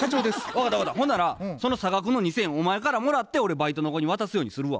分かった分かったほんならその差額の２，０００円お前からもらって俺バイトの子に渡すようにするわ。